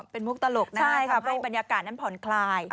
เป็นมุกตลกนะครับเพราะบรรยากาศนั้นผ่อนคลาย